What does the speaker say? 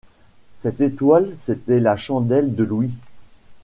Cette étoile, c’était la chandelle de Louis